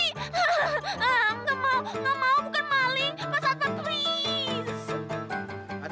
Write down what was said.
enggak mau enggak mau bukan maling mas advan please